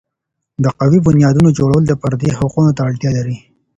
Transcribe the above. د قوي بنیادونو جوړول د فردي حقوقو ته اړتیا لري.